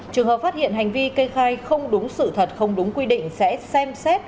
trường hợp phát hiện hành vi kê khai không đúng sự thật không đúng quy định sẽ xem xét